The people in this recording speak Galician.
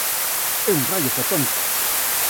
É un raio fotónico.